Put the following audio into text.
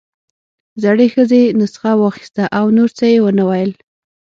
زړې ښځې نسخه واخيسته او نور څه يې ونه ويل.